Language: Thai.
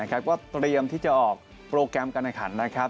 ก็เตรียมที่จะออกโปรแกรมการหยัดขัน